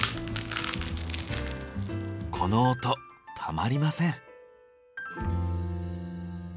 この音たまりません。